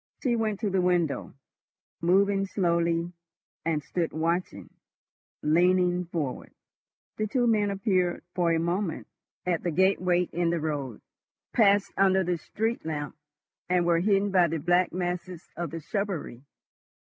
She went to the window, moving slowly, and stood watching—leaning forward. The two men appeared for a moment at the gateway in the road, passed under the street lamp, and were hidden by the black masses of the shrubbery.